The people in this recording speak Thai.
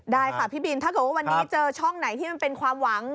บ๊วยบีนถ้าเจอช่องไหนที่มันเป็นความหวัง